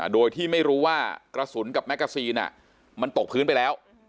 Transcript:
โดยที่ไม่รู้ว่ากระสุนกับแมกกาซีนมันตกพื้นไปแล้ว